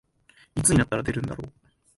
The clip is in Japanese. いつになったら出るんだろう